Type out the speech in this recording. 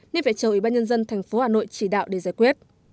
nên phải chờ ủy ban nhân dân thành phố hà nội chỉ đạo để giải quyết